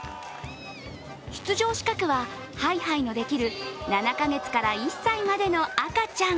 出場資格は、ハイハイのできる７か月から１歳までの赤ちゃん。